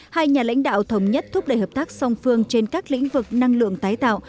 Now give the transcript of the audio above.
hai nhà lãnh đạo thống nhất thúc đẩy hợp tác song phương trên các lĩnh vực năng lượng tái tạo